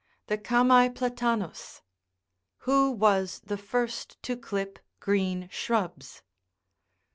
THE CHAM2EPLATANT7S. WHO WAS THE FIRST TO CLIP GREEN SHRUBS.